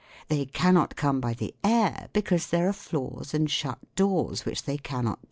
They cannot come by the air because there are floors and shut doors which they cannot WHAT IS SOUND?